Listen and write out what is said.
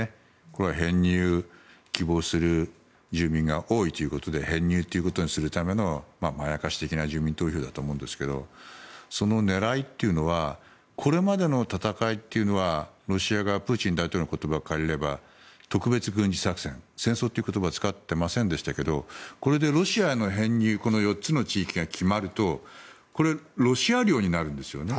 これは編入希望する住民が多いということで編入とするためのまやかし的な住民投票だと思うんですけどその狙いというのはこれまでの戦いというのはロシア側、プーチン大統領の言葉を借りれば特別軍事作戦、戦争という言葉を使ってませんでしたけどこれでロシアへの編入４つの地域が決まるとロシア領になるんですよね。